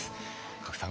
賀来さん